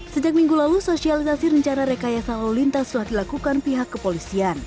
sejak minggu lalu sosialisasi rencana rekayasa lalu lintas sudah dilakukan pihak kepolisian